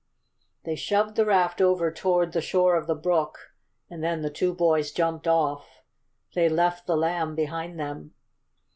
They shoved the raft over toward the shore of the brook, and then the two boys jumped off. They left the Lamb behind them.